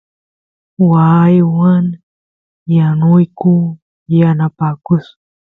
waaywan yanuyku yanapakus